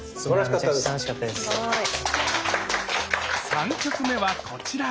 ３曲目はこちら！